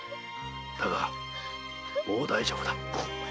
だがもう大丈夫だ。